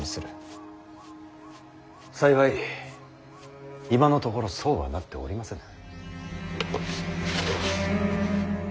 幸い今のところそうはなっておりませぬ。